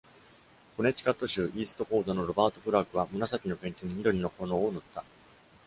コネチカット州イーストフォードのロバート・プラークは紫のペンキに緑の炎を塗った。